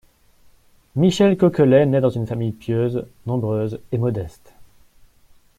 Michel Coquelet naît dans une famille pieuse, nombreuse et modeste.